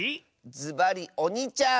ずばりおにちゃん！